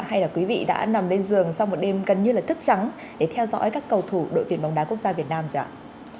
hay là quý vị đã nằm lên giường sau một đêm gần như là thức trắng để theo dõi các cầu thủ đội tuyển bóng đá quốc gia việt nam rồi ạ